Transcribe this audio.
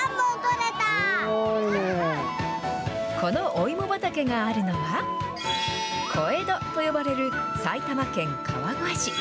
このお芋畑があるのは、小江戸と呼ばれる埼玉県川越市。